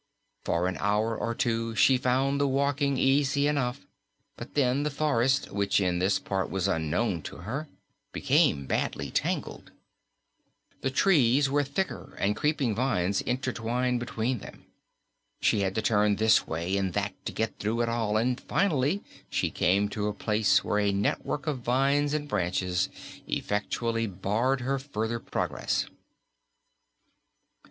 For an hour or two she found the walking easy enough, but then the forest, which in this part was unknown to her, became badly tangled. The trees were thicker and creeping vines intertwined between them. She had to turn this way and that to get through at all, and finally she came to a place where a network of vines and branches effectually barred her farther progress.